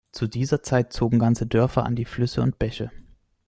Zu dieser Zeit zogen ganze Dörfer an die Flüsse und Bäche.